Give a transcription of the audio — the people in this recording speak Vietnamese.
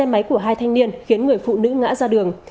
xe máy của hai thanh niên khiến người phụ nữ ngã ra đường